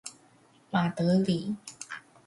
馬德里